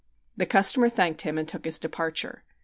The customer thanked him and took his departure.